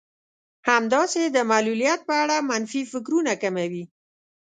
همداسې د معلوليت په اړه منفي فکرونه کموي.